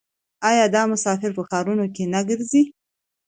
آیا دا مسافر په ښارونو کې نه ګرځي؟